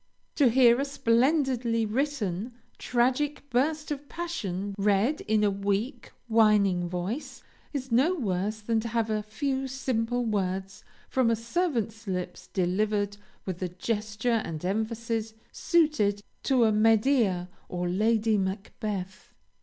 To hear a splendidly written, tragic burst of passion read in a weak, whining voice, is no worse than to have a few simple words from a servant's lips delivered with the gesture and emphasis suited to a Medea or Lady Macbeth.